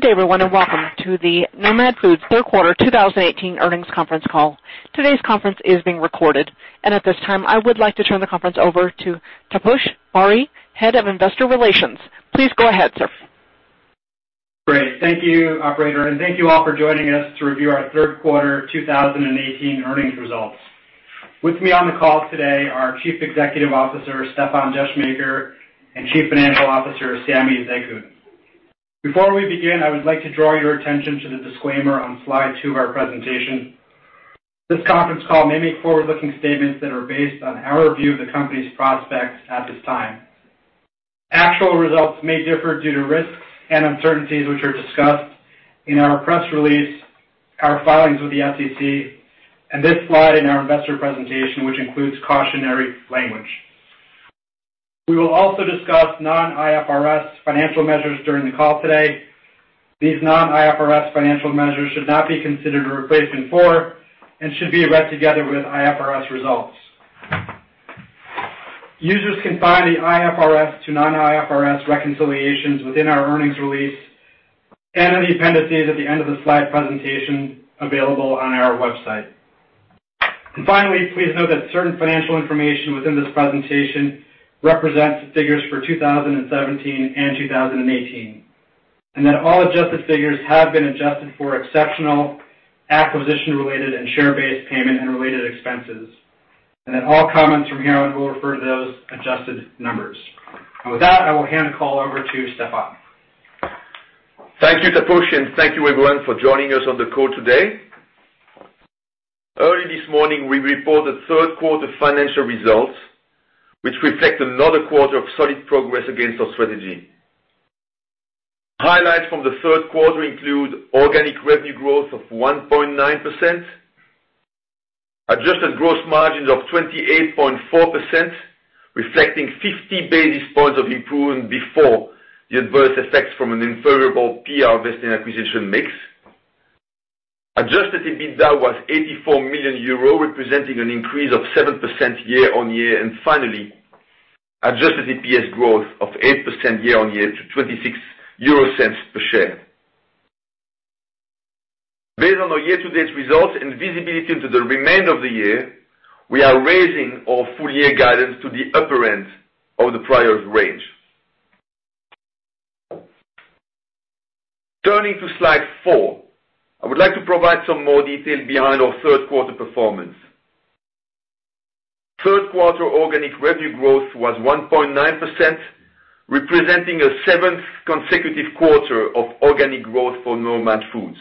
Good day everyone, welcome to the Nomad Foods third quarter 2018 earnings conference call. Today's conference is being recorded, and at this time, I would like to turn the conference over to Taposh Bari, Head of Investor Relations. Please go ahead, sir. Great. Thank you, operator, thank you all for joining us to review our third quarter 2018 earnings results. With me on the call today are Chief Executive Officer, Stéfan Descheemaeker, and Chief Financial Officer, Samy Zekhout. Before we begin, I would like to draw your attention to the disclaimer on slide two of our presentation. This conference call may make forward-looking statements that are based on our view of the company's prospects at this time. Actual results may differ due to risks and uncertainties, which are discussed in our press release, our filings with the SEC, and this slide in our investor presentation, which includes cautionary language. We will also discuss non-IFRS financial measures during the call today. These non-IFRS financial measures should not be considered a replacement for, should be read together with IFRS results. Users can find the IFRS to non-IFRS reconciliations within our earnings release and in the appendices at the end of the slide presentation available on our website. Finally, please note that certain financial information within this presentation represents figures for 2017 and 2018, that all adjusted figures have been adjusted for exceptional acquisition related and share-based payment and related expenses. That all comments from here on will refer to those adjusted numbers. With that, I will hand the call over to Stéfan. Thank you, Taposh, thank you everyone for joining us on the call today. Early this morning, we reported third quarter financial results, which reflect another quarter of solid progress against our strategy. Highlights from the third quarter include organic revenue growth of 1.9%, adjusted gross margins of 28.4%, reflecting 50 basis points of improvement before the adverse effects from Findus a prior year investing acquisition mix. Adjusted EBITDA was 84 million euro, representing an increase of 7% year-on-year. Finally, adjusted EPS growth of 8% year-on-year to 0.26 per share. Based on our year-to-date results and visibility into the remainder of the year, we are raising our full year guidance to the upper end of the prior range. Turning to slide four, I would like to provide some more detail behind our third quarter performance. Third quarter organic revenue growth was 1.9%, representing a seventh consecutive quarter of organic growth for Nomad Foods.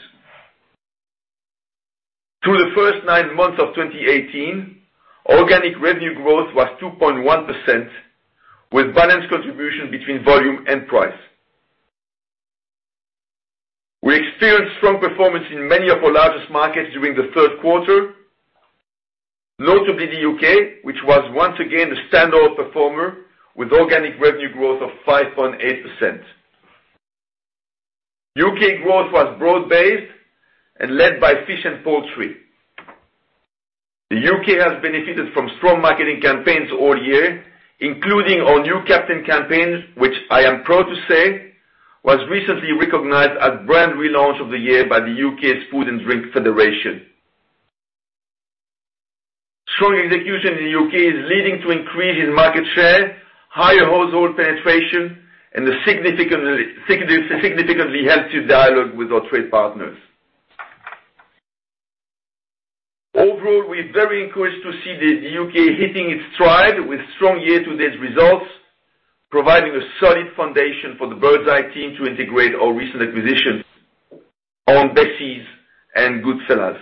Through the first nine months of 2018, organic revenue growth was 2.1%, with balanced contribution between volume and price. We experienced strong performance in many of our largest markets during the third quarter, notably the U.K., which was once again the standout performer, with organic revenue growth of 5.8%. U.K. growth was broad-based and led by fish and poultry. The U.K. has benefited from strong marketing campaigns all year, including our new Captain campaigns, which I am proud to say was recently recognized as brand relaunch of the year by the U.K.'s Food and Drink Federation. Strong execution in the U.K. is leading to increase in market share, higher household penetration, and a significantly healthy dialogue with our trade partners. Overall, we're very encouraged to see the U.K. hitting its stride with strong year-to-date results, providing a solid foundation for the Birds Eye team to integrate our recent acquisitions Aunt Bessie's and Goodfella's.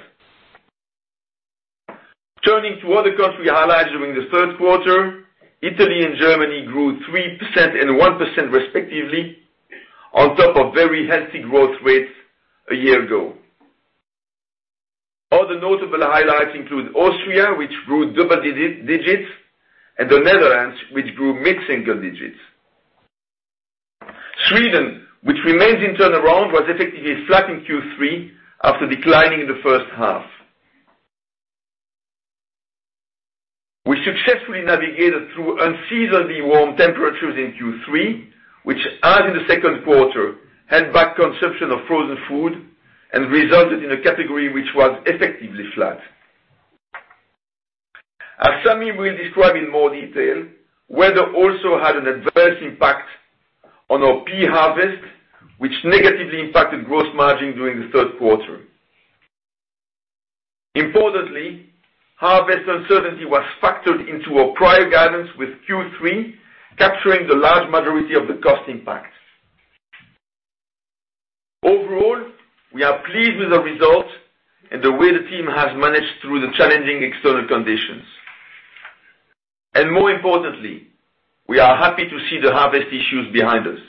Turning to other country highlights during the third quarter, Italy and Germany grew 3% and 1% respectively on top of very healthy growth rates a year ago. Other notable highlights include Austria, which grew double digits, and the Netherlands, which grew mid-single digits. Sweden, which remains in turnaround, was effectively flat in Q3 after declining in the first half. We successfully navigated through unseasonably warm temperatures in Q3, which, as in the second quarter, held back consumption of frozen food and resulted in a category which was effectively flat. As Samy will describe in more detail, weather also had an adverse impact on our pea harvest, which negatively impacted gross margin during the third quarter. Importantly, harvest uncertainty was factored into our prior guidance, with Q3 capturing the large majority of the cost impact. Overall, we are pleased with the results and the way the team has managed through the challenging external conditions. More importantly, we are happy to see the harvest issues behind us.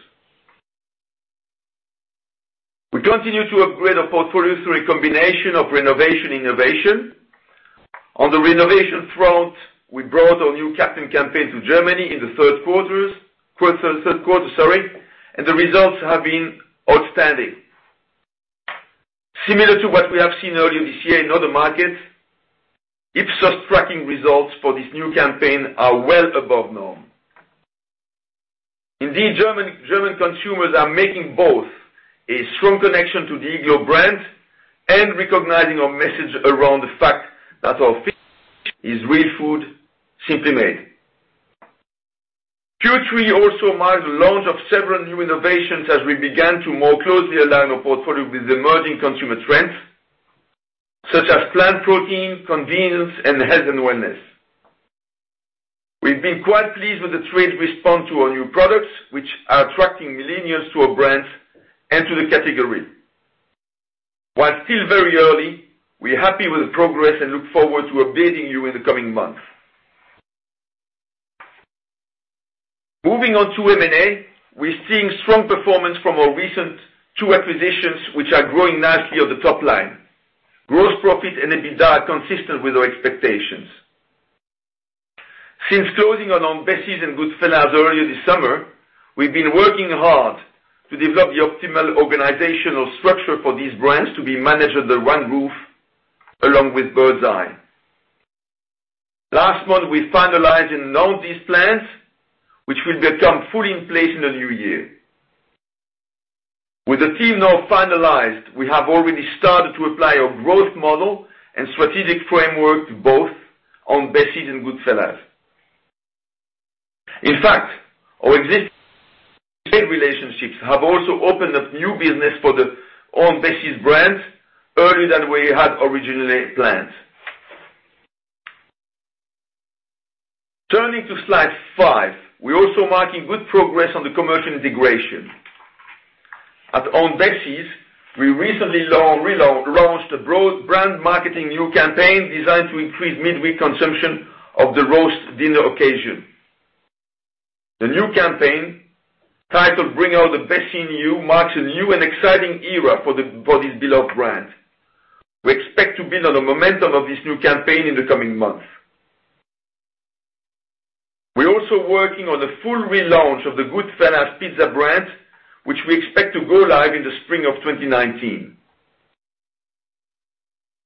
We continue to upgrade our portfolios through a combination of renovation innovation. On the renovation front, we brought our new Captain campaign to Germany in the third quarter, and the results have been outstanding. Similar to what we have seen earlier this year in other markets, Ipsos tracking results for this new campaign are well above norm. Indeed, German consumers are making both a strong connection to the Iglo brand and recognizing our message around the fact that our food is real food simply made. Q3 also marked the launch of several new innovations as we began to more closely align our portfolio with emerging consumer trends, such as plant protein, convenience, and health and wellness. We've been quite pleased with the trade's response to our new products, which are attracting millennials to our brands and to the category. While still very early, we are happy with the progress and look forward to updating you in the coming months. Moving on to M&A. We're seeing strong performance from our recent two acquisitions, which are growing nicely on the top line. Gross profit and EBITDA are consistent with our expectations. Since closing Aunt Bessie's and Goodfella's earlier this summer, we've been working hard to develop the optimal organizational structure for these brands to be managed under one roof along with Birds Eye. Last month, we finalized and launched these plans, which will become fully in place in the new year. With the team now finalized, we have already started to apply our growth model and strategic framework to both Aunt Bessie's and Goodfella's. In fact, our existing relationships have also opened up new business for the Aunt Bessie's brands earlier than we had originally planned. Turning to slide five. We are also marking good progress on the commercial integration. At Aunt Bessie's, we recently relaunched a brand marketing new campaign designed to increase midweek consumption of the roast dinner occasion. The new campaign, titled Bring Out the Bessie in You, marks a new and exciting era for this beloved brand. We expect to build on the momentum of this new campaign in the coming months. We are also working on the full relaunch of the Goodfella's Pizza brand, which we expect to go live in the spring of 2019.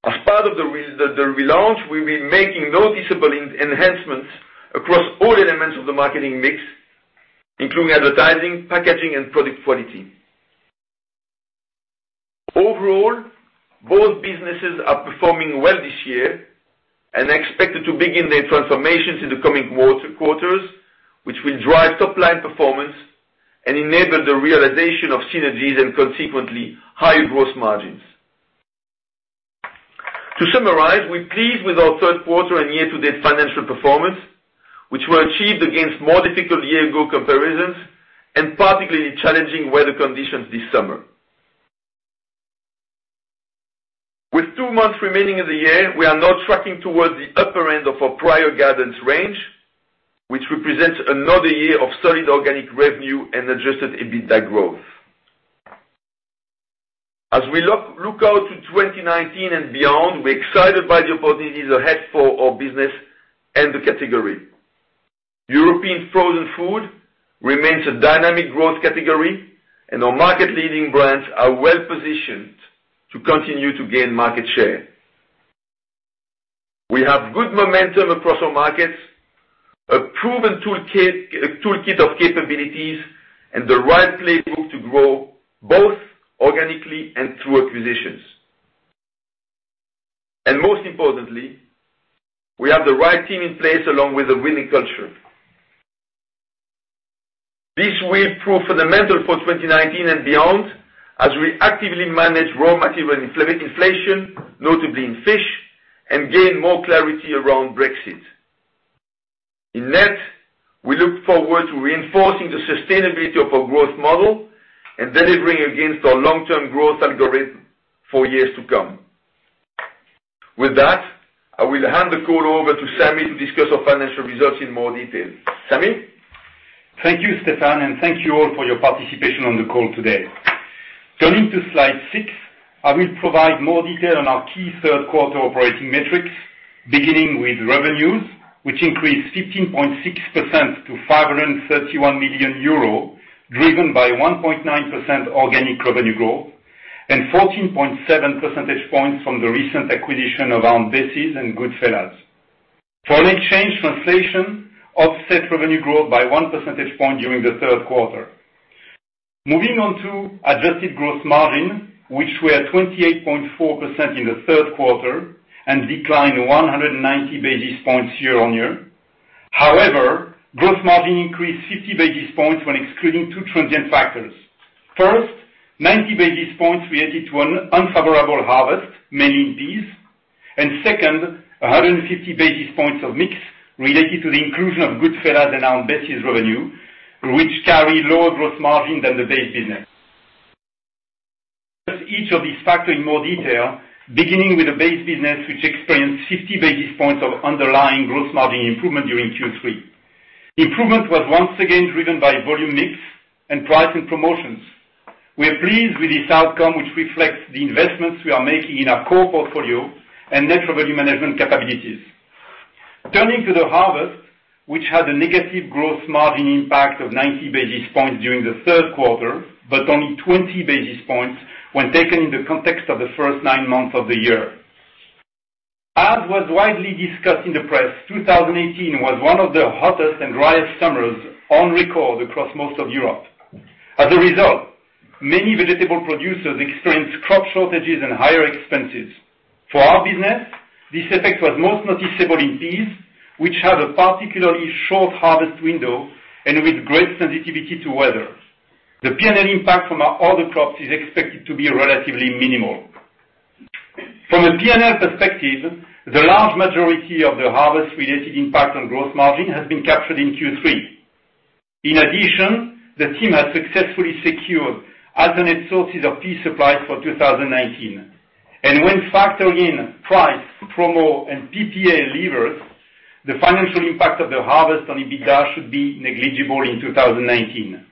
As part of the relaunch, we will be making noticeable enhancements across all elements of the marketing mix, including advertising, packaging, and product quality. Overall, both businesses are performing well this year and are expected to begin their transformations in the coming quarters, which will drive top-line performance and enable the realization of synergies and consequently higher gross margins. To summarize, we are pleased with our third quarter and year-to-date financial performance, which were achieved against more difficult year-ago comparisons and particularly challenging weather conditions this summer. With two months remaining in the year, we are now tracking towards the upper end of our prior guidance range, which represents another year of solid organic revenue and adjusted EBITDA growth. As we look out to 2019 and beyond, we are excited by the opportunities ahead for our business and the category. European frozen food remains a dynamic growth category, and our market-leading brands are well-positioned to continue to gain market share. We have good momentum across our markets, a proven toolkit of capabilities, and the right playbook to grow both organically and through acquisitions. Most importantly, we have the right team in place along with a winning culture. This will prove fundamental for 2019 and beyond as we actively manage raw material inflation, notably in fish, and gain more clarity around Brexit. In net, we look forward to reinforcing the sustainability of our growth model and delivering against our long-term growth algorithm for years to come. With that, I will hand the call over to Samy to discuss our financial results in more detail. Samy? Thank you, Stéfan, and thank you all for your participation on the call today. Turning to slide six, I will provide more detail on our key third quarter operating metrics, beginning with revenues, which increased 15.6% to 531 million euro, driven by 1.9% organic revenue growth and 14.7 percentage points from the recent acquisition of Aunt Bessie's and Goodfella's. Foreign exchange translation offset revenue growth by 1 percentage point during the third quarter. Moving on to adjusted gross margin, which were 28.4% in the third quarter and declined 190 basis points year-on-year. However, gross margin increased 50 basis points when excluding two transient factors. First, 90 basis points related to an unfavorable harvest, mainly in peas, and second, 150 basis points of mix related to the inclusion of Goodfella's and Aunt Bessie's revenue, which carry lower gross margin than the base business. Each of these factors in more detail, beginning with the base business, which experienced 50 basis points of underlying gross margin improvement during Q3. Improvement was once again driven by volume mix and price and promotions. We are pleased with this outcome, which reflects the investments we are making in our core portfolio and natural value management capabilities. Turning to the harvest, which had a negative gross margin impact of 90 basis points during the third quarter, but only 20 basis points when taken in the context of the first nine months of the year. As was widely discussed in the press, 2018 was one of the hottest and driest summers on record across most of Europe. As a result, many vegetable producers experienced crop shortages and higher expenses. For our business, this effect was most noticeable in peas, which have a particularly short harvest window and with great sensitivity to weather. The P&L impact from our other crops is expected to be relatively minimal. From a P&L perspective, the large majority of the harvest related impact on gross margin has been captured in Q3. In addition, the team has successfully secured alternate sources of pea supply for 2019. When factoring in price, promo, and PPA levers, the financial impact of the harvest on EBITDA should be negligible in 2019.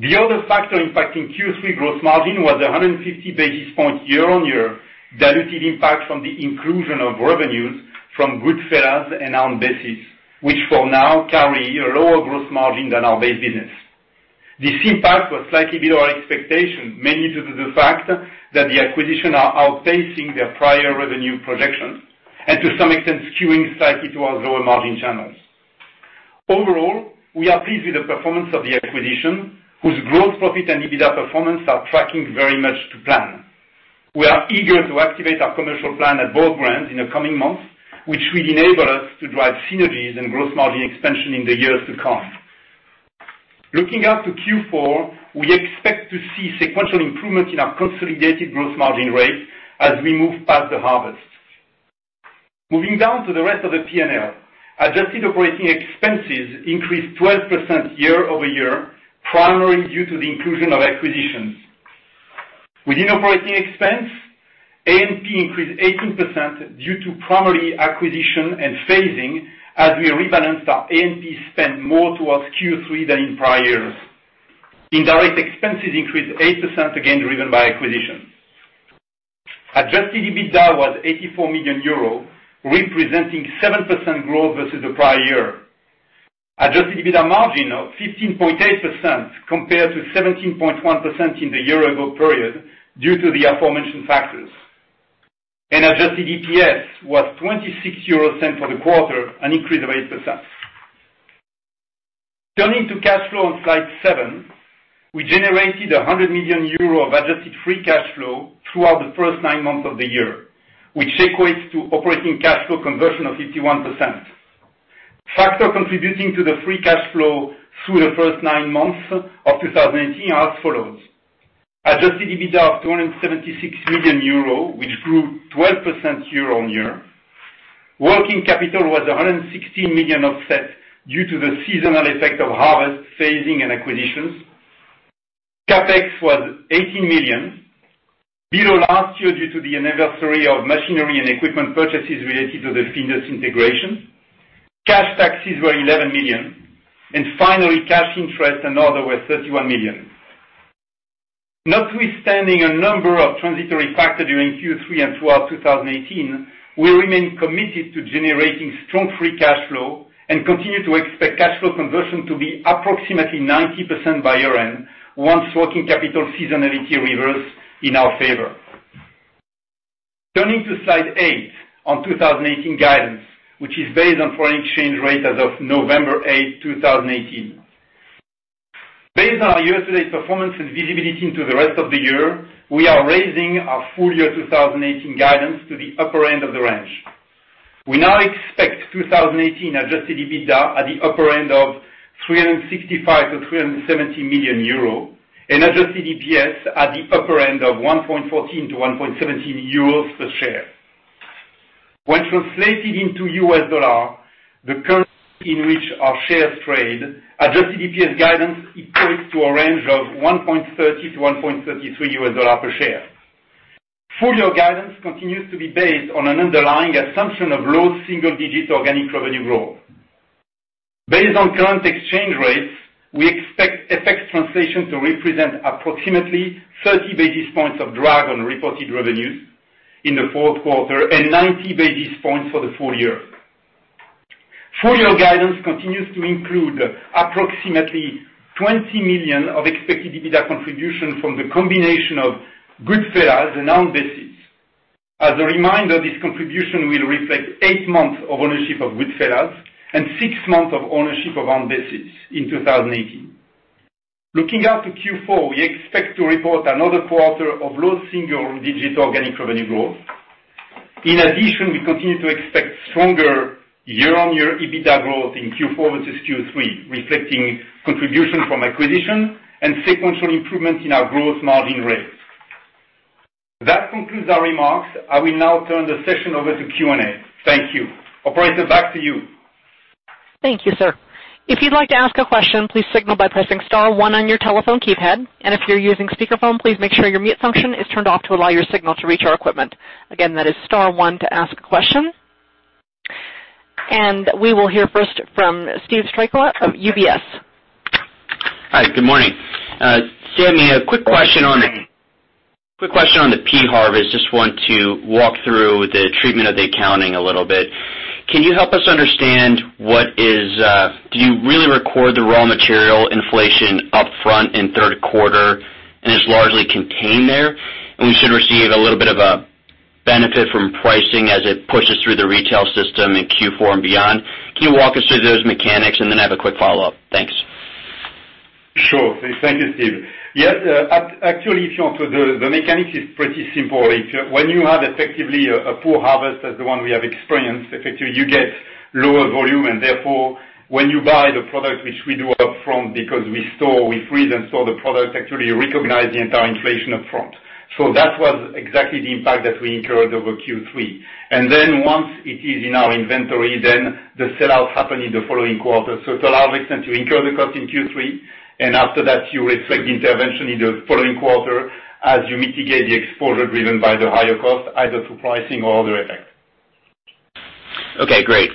The other factor impacting Q3 gross margin was 150 basis points year-on-year, diluted impact from the inclusion of revenues from Goodfella's and Aunt Bessie's, which for now carry a lower gross margin than our base business. This impact was slightly below our expectation, mainly due to the fact that the acquisitions are outpacing their prior revenue projections, and to some extent skewing slightly to our lower margin channels. Overall, we are pleased with the performance of the acquisitions, whose gross profit and EBITDA performance are tracking very much to plan. We are eager to activate our commercial plan at both brands in the coming months, which will enable us to drive synergies and gross margin expansion in the years to come. Looking out to Q4, we expect to see sequential improvement in our consolidated gross margin rate as we move past the harvest. Moving down to the rest of the P&L, adjusted operating expenses increased 12% year-over-year, primarily due to the inclusion of acquisitions. Within operating expense, A&P increased 18% due to primary acquisition and phasing as we rebalanced our A&P spend more towards Q3 than in prior years. Indirect expenses increased 8%, again driven by acquisitions. Adjusted EBITDA was 84 million euro, representing 7% growth versus the prior year. Adjusted EBITDA margin of 15.8% compared to 17.1% in the year ago period due to the aforementioned factors. Adjusted EPS was 0.26 for the quarter, an increase of 8%. Turning to cash flow on slide seven, we generated 100 million euro of adjusted free cash flow throughout the first nine months of the year, which equates to operating cash flow conversion of 51%. Factors contributing to the free cash flow through the first nine months of 2018 are as follows: Adjusted EBITDA of 276 million euro, which grew 12% year-on-year. Working capital was 116 million offset due to the seasonal effect of harvest, phasing, and acquisitions. CapEx was 18 million, below last year due to the anniversary of machinery and equipment purchases related to the Findus integration. Cash taxes were 11 million. Finally, cash interest and other were 31 million. Notwithstanding a number of transitory factors during Q3 and throughout 2018, we remain committed to generating strong free cash flow and continue to expect cash flow conversion to be approximately 90% by year-end, once working capital seasonality reverse in our favor. Turning to slide eight on 2018 guidance, which is based on foreign exchange rate as of November 8, 2018. Based on our year-to-date performance and visibility into the rest of the year, we are raising our full year 2018 guidance to the upper end of the range. We now expect 2018 adjusted EBITDA at the upper end of 365 million-370 million euro and adjusted EPS at the upper end of 1.14-1.17 euros per share. When translated into U.S. dollar, the currency in which our shares trade, adjusted EPS guidance equates to a range of $1.30-$1.33 U.S. per share. Full year guidance continues to be based on an underlying assumption of low single digit organic revenue growth. Based on current exchange rates, we expect FX translation to represent approximately 30 basis points of drag on reported revenues in the fourth quarter and 90 basis points for the full year. Full year guidance continues to include approximately 20 million of expected EBITDA contribution from the combination of Goodfella's and Aunt Bessie's. As a reminder, this contribution will reflect eight months of ownership of Goodfella's and six months of ownership of Own Base in 2018. Looking out to Q4, we expect to report another quarter of low single digit organic revenue growth. In addition, we continue to expect stronger year-on-year EBITDA growth in Q4 versus Q3, reflecting contributions from acquisition and sequential improvement in our gross margin rates. That concludes our remarks. I will now turn the session over to Q&A. Thank you. Operator, back to you. Thank you, sir. If you'd like to ask a question, please signal by pressing star one on your telephone keypad. If you're using speakerphone, please make sure your mute function is turned off to allow your signal to reach our equipment. Again, that is star one to ask a question. We will hear first from Steve Strycula of UBS. Hi. Good morning. Samy, a quick question on the pea harvest. I just want to walk through the treatment of the accounting a little bit. Can you help us understand, do you really record the raw material inflation up front in third quarter, and it's largely contained there, and we should receive a little bit of a benefit from pricing as it pushes through the retail system in Q4 and beyond? Can you walk us through those mechanics? I have a quick follow-up. Thanks. Sure. Thank you, Steve. Yes. Actually, the mechanics is pretty simple. When you have effectively a poor harvest as the one we have experienced, effectively, you get lower volume and therefore when you buy the product, which we do up front because we store, we freeze and store the product, actually recognize the entire inflation up front. That was exactly the impact that we incurred over Q3. Once it is in our inventory, then the sellouts happen in the following quarter. To a large extent, you incur the cost in Q3, and after that, you reflect the intervention in the following quarter as you mitigate the exposure driven by the higher cost, either through pricing or other effects. Okay, great.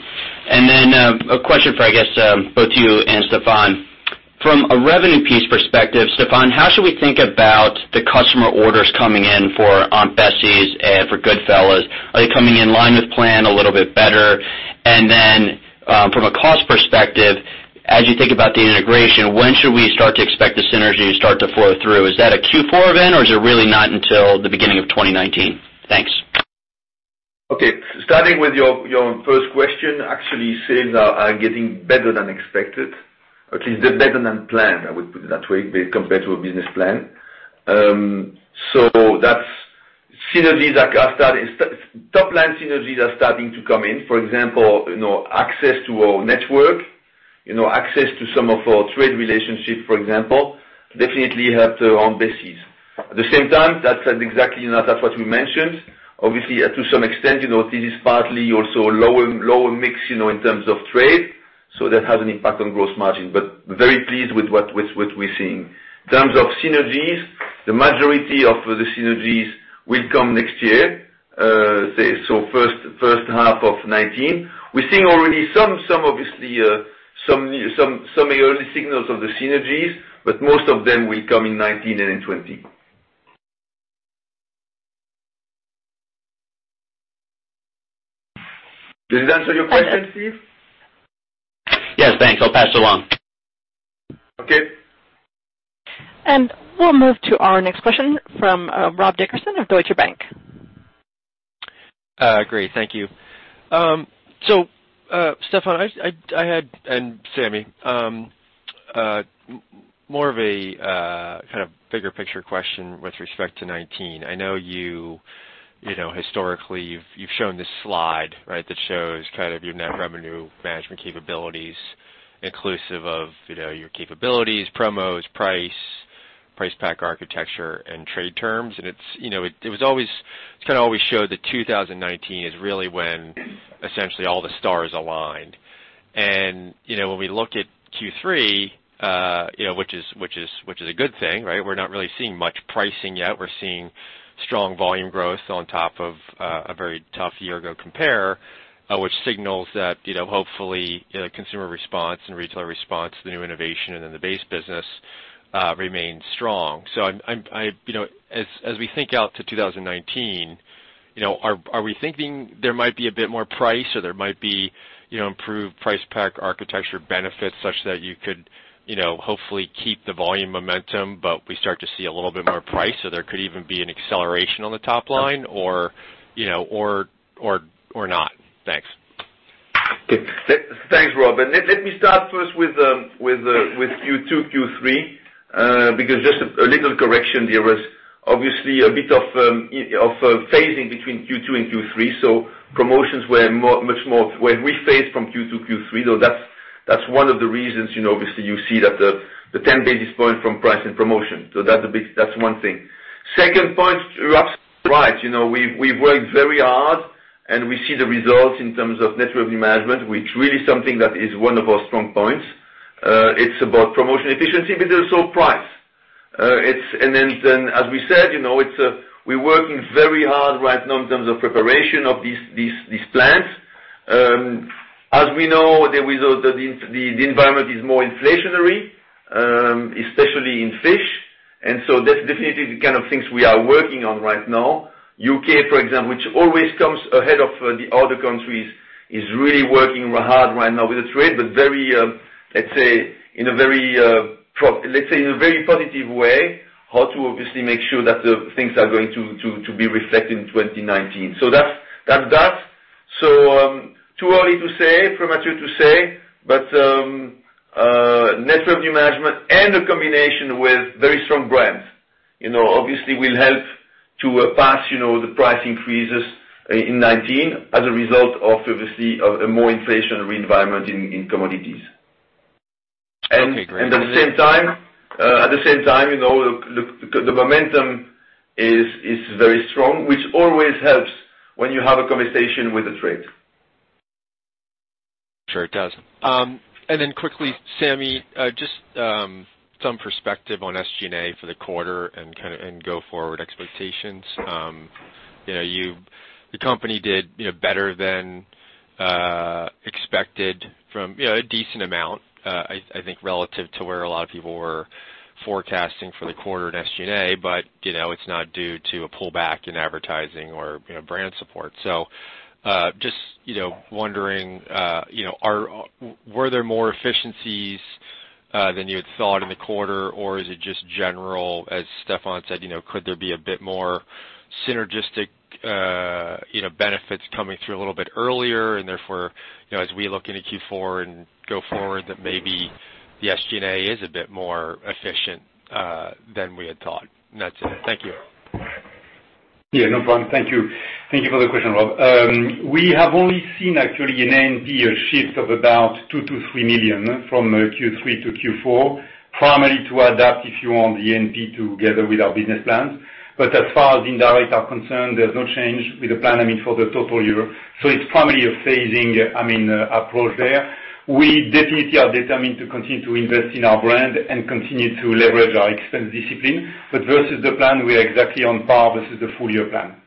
A question for, I guess, both you and Stéfan. From a revenue piece perspective, Stéfan, how should we think about the customer orders coming in for Aunt Bessie's and for Goodfella's? Are they coming in line with plan a little bit better? From a cost perspective, as you think about the integration, when should we start to expect the synergy to start to flow through? Is that a Q4 event or is it really not until the beginning of 2019? Thanks. Okay. Starting with your own first question, actually, sales are getting better than expected. Actually, they're better than planned, I would put it that way, compared to a business plan. Top line synergies are starting to come in. For example, access to our network, access to some of our trade relationships, for example, definitely helped our Aunt Bessie's. At the same time, that's exactly not that what we mentioned. Obviously, to some extent, this is partly also a lower mix in terms of trade. That has an impact on gross margin, but very pleased with what we're seeing. In terms of synergies, the majority of the synergies will come next year. First half of 2019. We're seeing already some early signals of the synergies, but most of them will come in 2019 and in 2020. Did it answer your question, Steve? Yes, thanks. I'll pass it along. Okay. We'll move to our next question from Rob Dickerson of Deutsche Bank. Great. Thank you. Stéfan and Samy, more of a kind of bigger picture question with respect to 2019. I know historically you've shown this slide, right? That shows kind of your net revenue management capabilities, inclusive of your capabilities, promos, price pack architecture, and trade terms, it kind of always showed that 2019 is really when essentially all the stars aligned. When we looked at Q3, which is a good thing, right? We're not really seeing much pricing yet. We're seeing strong volume growth on top of a very tough year-ago compare, which signals that hopefully consumer response and retailer response to the new innovation and then the base business remains strong. As we think out to 2019, are we thinking there might be a bit more price or there might be improved price pack architecture benefits such that you could hopefully keep the volume momentum, we start to see a little bit more price, there could even be an acceleration on the top line or not? Thanks. Thanks, Rob. Let me start first with Q2, Q3, because just a little correction, there was obviously a bit of phasing between Q2 and Q3, so promotions were much more when we phased from Q2, Q3, though that's one of the reasons, obviously you see that the 10 basis points from price and promotion. That's one thing. Second point, you asked, right. We've worked very hard, and we see the results in terms of net revenue management, which really is something that is one of our strong points. It's about promotion efficiency, but also price. As we said, we're working very hard right now in terms of preparation of these plans. As we know, the result of the environment is more inflationary, especially in fish, that's definitely the kind of things we are working on right now. U.K., for example, which always comes ahead of the other countries, is really working hard right now with the trade, but let's say in a very positive way, how to obviously make sure that the things are going to be reflected in 2019. That's that. Too early to say, premature to say, but net revenue management and a combination with very strong brands obviously will help to pass the price increases in 2019 as a result of obviously a more inflationary environment in commodities. Okay, great. At the same time, the momentum is very strong, which always helps when you have a conversation with the trade. Sure it does. Quickly, Samy, just some perspective on SG&A for the quarter and go forward expectations. The company did better than expected from a decent amount, I think relative to where a lot of people were forecasting for the quarter in SG&A, but it's not due to a pullback in advertising or brand support. Just wondering, were there more efficiencies than you had thought in the quarter, or is it just general, as Stéfan said, could there be a bit more synergistic benefits coming through a little bit earlier, therefore, as we look into Q4 and go forward, that maybe the SG&A is a bit more efficient than we had thought? That's it. Thank you. Yeah, no problem. Thank you for the question, Rob. We have only seen actually in A&P a shift of about 2 million-3 million from Q3 to Q4, primarily to adapt, if you want, the A&P together with our business plans. As far as indirect are concerned, there's no change with the plan for the total year. It's primarily a phasing approach there. We definitely are determined to continue to invest in our brand and continue to leverage our expense discipline. Versus the plan, we are exactly on par versus the full year plan.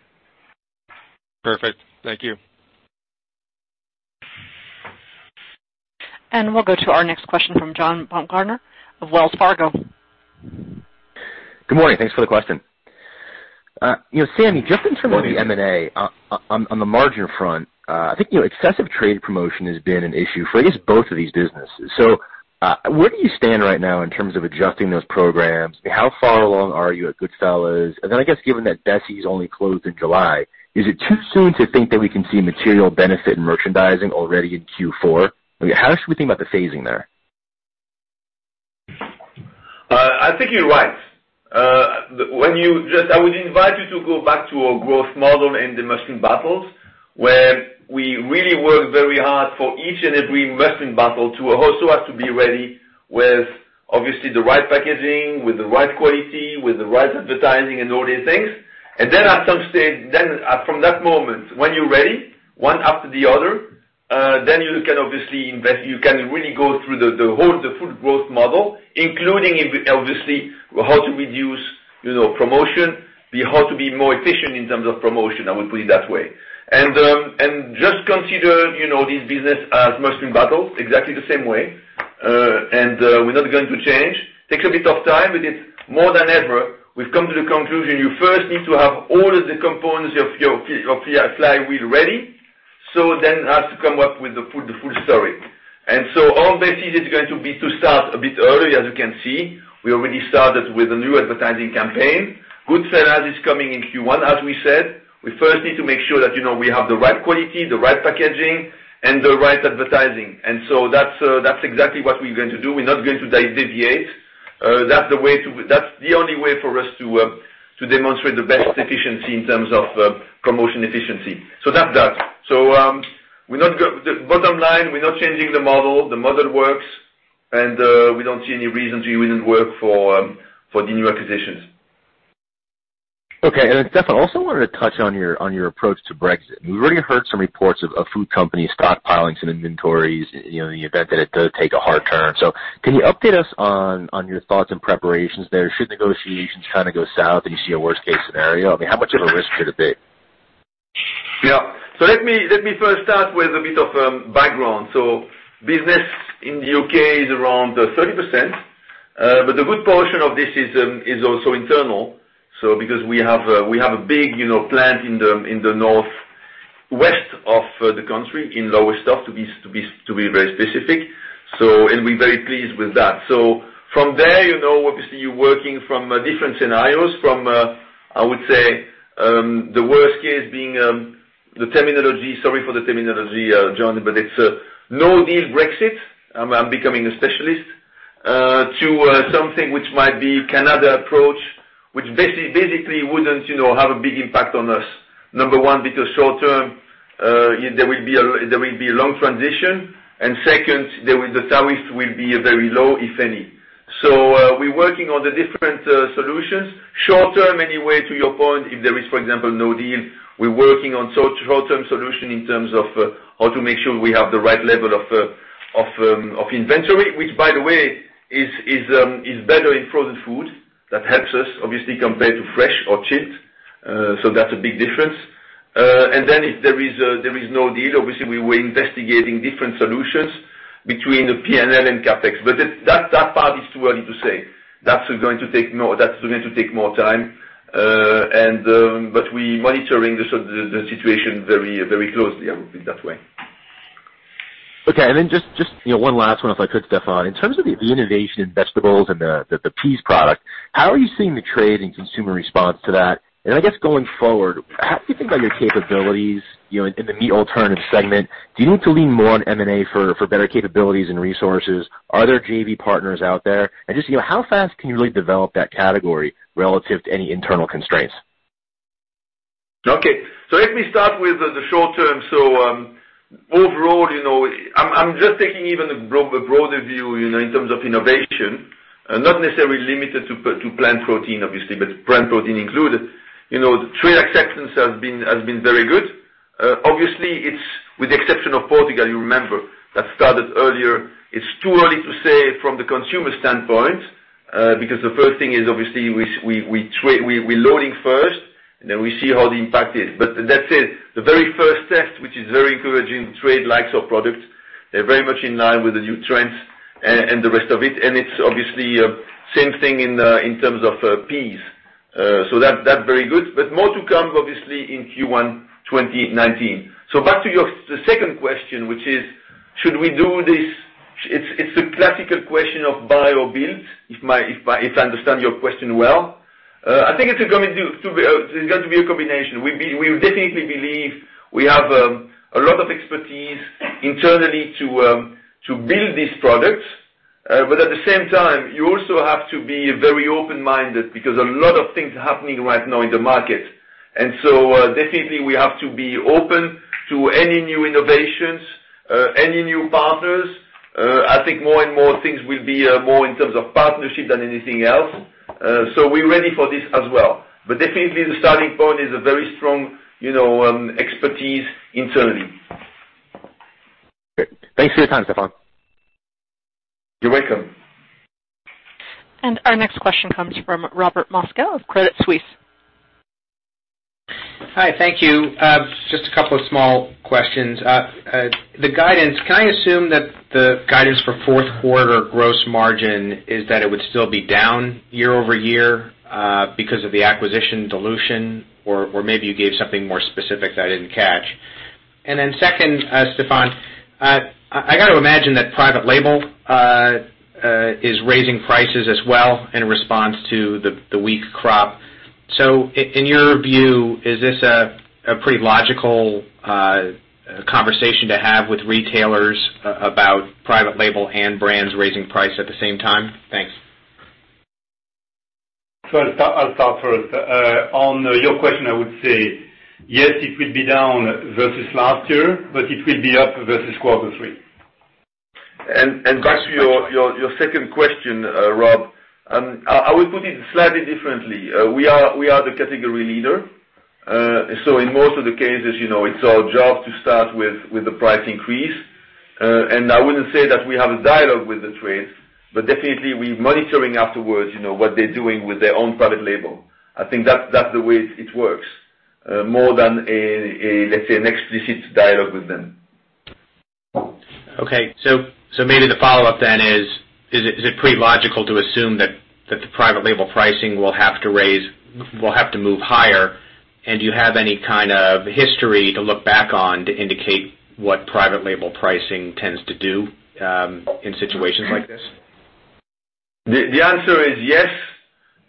Perfect. Thank you. We'll go to our next question from John Baumgartner of Wells Fargo. Good morning. Thanks for the question. Samy, just in terms of the M&A, on the margin front, I think excessive trade promotion has been an issue for, I guess, both of these businesses. Where do you stand right now in terms of adjusting those programs? How far along are you at Goodfella's? I guess given that Aunt Bessie's only closed in July, is it too soon to think that we can see material benefit in merchandising already in Q4? How should we think about the phasing there? I think you're right. I would invite you to go back to our growth model in the Mustang battles, where we really work very hard for each and every Mustang battle to host who has to be ready with, obviously, the right packaging, with the right quality, with the right advertising, and all these things. From that moment, when you're ready, one after the other, then you can really go through the whole, the full growth model, including obviously how to reduce promotion, how to be more efficient in terms of promotion, I will put it that way. Just consider this business as Mustang battle, exactly the same way. We're not going to change. Takes a bit of time, because more than ever, we've come to the conclusion you first need to have all of the components of your flywheel ready, then has to come up with the full story. All Aunt Bessie's is going to be to start a bit early, as you can see. We already started with a new advertising campaign. Goodfella's is coming in Q1, as we said. We first need to make sure that we have the right quality, the right packaging, and the right advertising. That's exactly what we're going to do. We're not going to deviate. That's the only way for us to demonstrate the best efficiency in terms of promotion efficiency. That's that. Bottom line, we're not changing the model. The model works, and we don't see any reason it wouldn't work for the new acquisitions. Okay. Stéfan, also wanted to touch on your approach to Brexit. We've already heard some reports of food companies stockpiling some inventories, in the event that it does take a hard turn. Can you update us on your thoughts and preparations there should negotiations kind of go south and you see a worst case scenario? I mean, how much of a risk could it be? Let me first start with a bit of background. Business in the U.K. is around 30%, but a good portion of this is also internal. Because we have a big plant in the northwest of the country, in Lowestoft, to be very specific. We're very pleased with that. From there, obviously, you're working from different scenarios from, I would say, the worst case being the terminology, sorry for the terminology, John, but it's no-deal Brexit. I'm becoming a specialist. To something which might be Canada approach, which basically wouldn't have a big impact on us. Number one, because short term, there will be a long transition, and second, the tariffs will be very low, if any. We're working on the different solutions. Short term, anyway, to your point, if there is, for example, no deal, we're working on short term solution in terms of how to make sure we have the right level of inventory, which by the way, is better in frozen food. That helps us, obviously, compared to fresh or chilled. Then if there is no deal, obviously, we're investigating different solutions between the P&L and CapEx. That part is too early to say. That's going to take more time. We're monitoring the situation very closely, I would put it that way. Then just one last one, if I could, Stéfan. In terms of the innovation in vegetables and the peas product, how are you seeing the trade and consumer response to that? I guess going forward, how do you think about your capabilities, in the meat alternative segment? Do you need to lean more on M&A for better capabilities and resources? Are there JV partners out there? Just how fast can you really develop that category relative to any internal constraints? Let me start with the short term. Overall, I'm just taking even a broader view in terms of innovation, not necessarily limited to plant protein, obviously, but plant protein included. The trade acceptance has been very good. Obviously, with the exception of Portugal, you remember, that started earlier. It's too early to say from the consumer standpoint, because the first thing is obviously we're loading first, then we see how the impact is. That said, the very first test, which is very encouraging, trade likes our product. They're very much in line with the new trends and the rest of it. It's obviously same thing in terms of peas. That very good. More to come, obviously, in Q1 2019. Back to your second question, which is, should we do this? It's a classical question of buy or build, if I understand your question well. I think it's going to be a combination. We definitely believe we have a lot of expertise internally to build these products. At the same time, you also have to be very open-minded because a lot of things are happening right now in the market. Definitely we have to be open to any new innovations, any new partners. I think more and more things will be more in terms of partnership than anything else. We're ready for this as well. Definitely the starting point is a very strong expertise internally. Great. Thanks for your time, Stéfan. You're welcome. Our next question comes from Robert Moskow of Credit Suisse. Hi, thank you. Just a couple of small questions. The guidance, can I assume that the guidance for fourth quarter gross margin is that it would still be down year-over-year because of the acquisition dilution? Or maybe you gave something more specific that I didn't catch. Then second, Stéfan, I got to imagine that private label is raising prices as well in response to the weak crop. In your view, is this a pretty logical conversation to have with retailers about private label and brands raising price at the same time? Thanks. I'll start first. On your question, I would say, yes, it will be down versus last year, but it will be up versus quarter three. Back to your second question, Rob, I will put it slightly differently. We are the category leader. In most of the cases, it's our job to start with the price increase. I wouldn't say that we have a dialogue with the trade, but definitely we're monitoring afterwards, what they're doing with their own private label. I think that's the way it works, more than let's say, an explicit dialogue with them. Okay. Maybe the follow-up then is it pretty logical to assume that the private label pricing will have to move higher? Do you have any kind of history to look back on to indicate what private label pricing tends to do in situations like this? The answer is yes.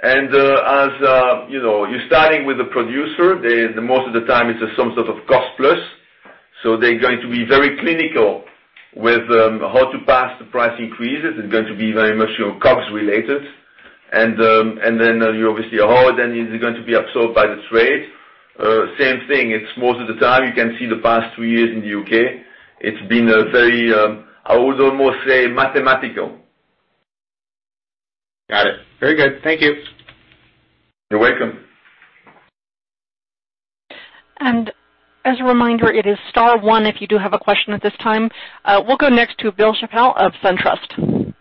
As you're starting with the producer, most of the time it's some sort of cost plus. They're going to be very clinical with how to pass the price increases. It's going to be very much COGS related. You obviously hold, it is going to be absorbed by the trade. Same thing, it's most of the time, you can see the past two years in the U.K., it's been a very, I would almost say mathematical. Got it. Very good. Thank you. You're welcome. As a reminder, it is star one if you do have a question at this time. We'll go next to Bill Chappell of SunTrust.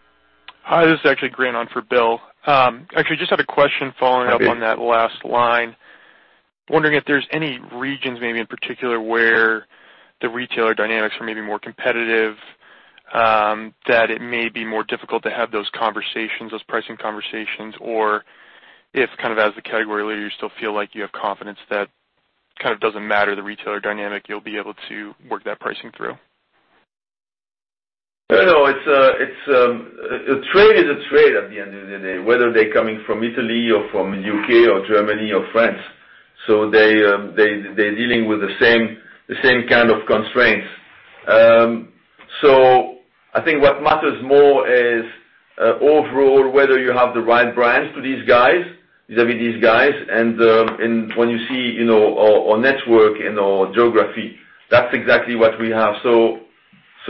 Hi, this is actually Grant on for Bill. Just had a question following up on that last line. Wondering if there's any regions maybe in particular where the retailer dynamics are maybe more competitive, that it may be more difficult to have those conversations, those pricing conversations, or if kind of as the category leader, you still feel like you have confidence that kind of doesn't matter the retailer dynamic, you'll be able to work that pricing through. No, a trade is a trade at the end of the day, whether they're coming from Italy or from U.K. or Germany or France. They're dealing with the same kind of constraints. I think what matters more is overall, whether you have the right brands to these guys, and when you see our network and our geography, that's exactly what we have.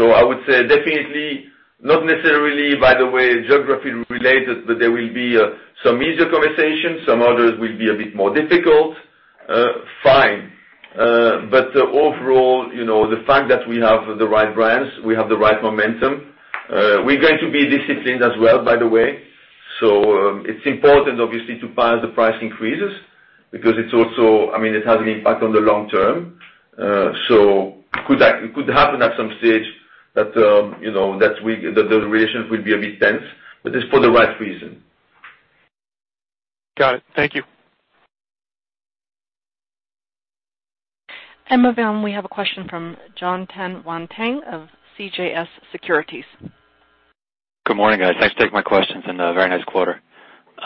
I would say definitely, not necessarily by the way geography related, but there will be some easier conversations, some others will be a bit more difficult. Fine. Overall, the fact that we have the right brands, we have the right momentum. We're going to be disciplined as well, by the way. It's important, obviously, to pass the price increases because it has an impact on the long term. It could happen at some stage that the relations will be a bit tense, but it's for the right reason. Got it. Thank you. Moving on, we have a question from Jon Tanwanteng of CJS Securities. Good morning, guys. Thanks for taking my questions, and a very nice quarter.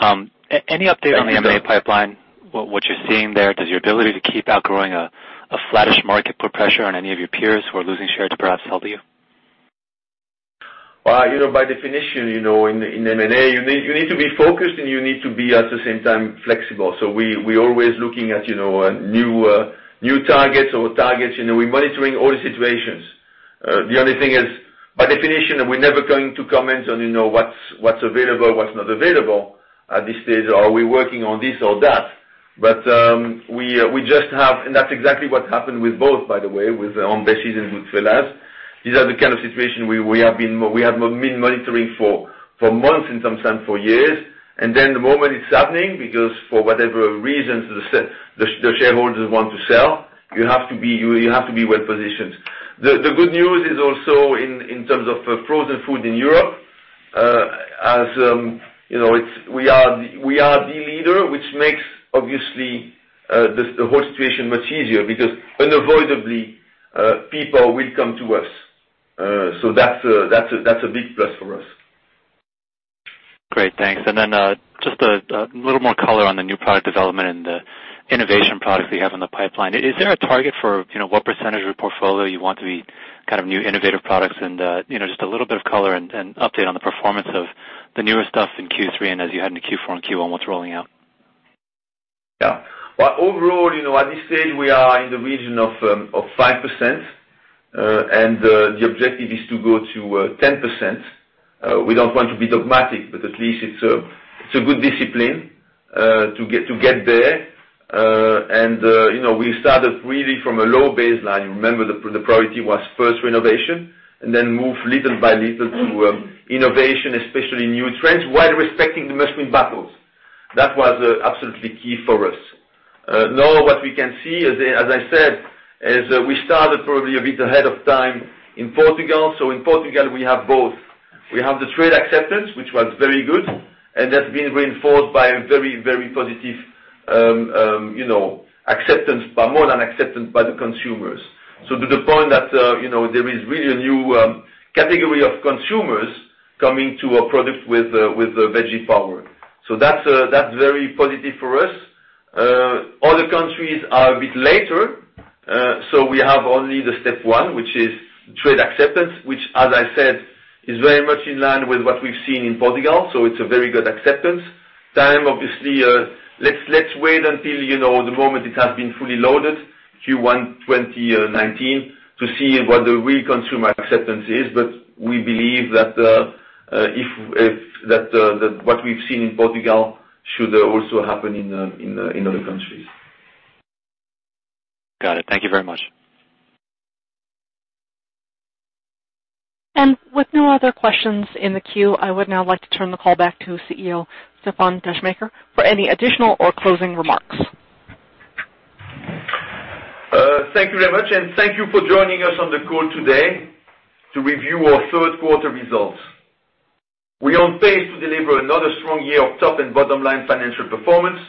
Any update on the M&A pipeline, what you're seeing there? Does your ability to keep outgrowing a flattish market put pressure on any of your peers who are losing share to perhaps help you? By definition, in M&A, you need to be focused, and you need to be, at the same time, flexible. We always looking at new targets or targets. We're monitoring all the situations. The only thing is, by definition, we're never going to comment on what's available, what's not available at this stage, or are we working on this or that. That's exactly what happened with both, by the way, with Aunt Bessie's and Goodfella's. These are the kind of situation we have been monitoring for months, and sometimes for years. The moment it's happening, because for whatever reasons the shareholders want to sell, you have to be well positioned. The good news is also in terms of frozen food in Europe, as we are the leader, which makes, obviously, the whole situation much easier because unavoidably, people will come to us. That's a big plus for us. Great, thanks. Just a little more color on the new product development and the innovation products that you have in the pipeline. Is there a target for what percentage of your portfolio you want to be new innovative products and just a little bit of color and update on the performance of the newer stuff in Q3 and as you head into Q4 and Q1, what's rolling out? Yeah. Well, overall, at this stage, we are in the region of 5%, the objective is to go to 10%. We don't want to be dogmatic, but at least it's a good discipline to get there. We started really from a low baseline. Remember, the priority was first renovation and then move little by little to innovation, especially new trends, while respecting the margin battles. That was absolutely key for us. What we can see, as I said, is we started probably a bit ahead of time in Portugal. In Portugal, we have both. We have the trade acceptance, which was very good, and that's been reinforced by a very positive acceptance, but more than acceptance by the consumers. To the point that there is really a new category of consumers coming to a product with veggie power. That's very positive for us. Other countries are a bit later, we have only the step one, which is trade acceptance, which as I said, is very much in line with what we've seen in Portugal, it's a very good acceptance. Time, obviously, let's wait until the moment it has been fully loaded, Q1 2019, to see what the real consumer acceptance is. We believe that what we've seen in Portugal should also happen in other countries. Got it. Thank you very much. With no other questions in the queue, I would now like to turn the call back to CEO, Stéfan Descheemaeker, for any additional or closing remarks. Thank you very much, and thank you for joining us on the call today to review our third quarter results. We are on pace to deliver another strong year of top and bottom line financial performance,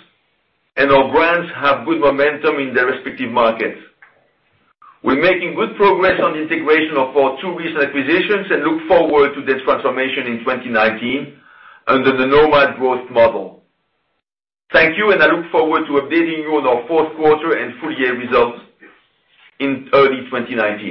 and our brands have good momentum in their respective markets. We are making good progress on the integration of our two recent acquisitions and look forward to this transformation in 2019 under the Nomad growth model. Thank you. I look forward to updating you on our fourth quarter and full year results in early 2019.